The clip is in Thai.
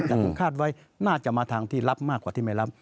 แต่ผมคาดไว้น่าจะมาทางที่รับมากกว่าที่ไม่รับ